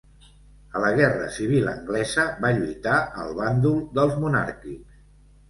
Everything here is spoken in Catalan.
A la Guerra Civil anglesa va lluitar al bàndol dels monàrquics.